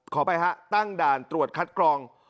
ไปฮะตั้งด่านตรวจคัดกรอง